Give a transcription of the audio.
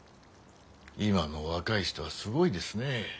今の若い人はすごいですね。